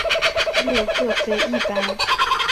六各飞一班。